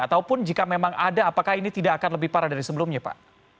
ataupun jika memang ada apakah ini tidak akan lebih parah dari sebelumnya pak